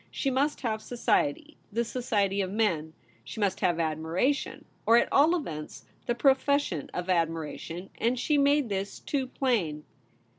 She must have society — the society of men ; she must have admiration, or, at all events, the pro fession of admiration, and she made this too plain.